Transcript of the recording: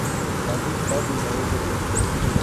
باقی سب نئے لوگ تھے۔